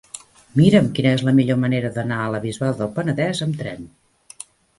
Mira'm quina és la millor manera d'anar a la Bisbal del Penedès amb tren.